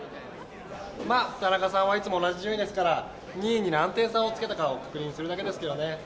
まあ田中さんはいつも同じ順位ですから２位に何点差をつけたかを確認するだけですけどね。